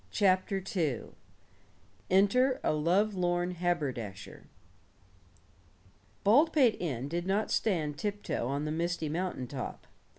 CHAPTER II ENTER A LOVELORN HABERDASHER Baldpate Inn did not stand tiptoe on the misty mountain top.